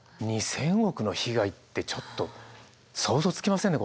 ２，０００億の被害ってちょっと想像つきませんね